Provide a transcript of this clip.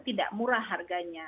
itu tidak murah harganya